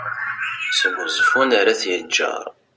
seg uẓeffun ar at yeğğer